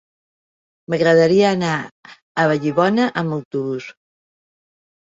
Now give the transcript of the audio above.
M'agradaria anar a Vallibona amb autobús.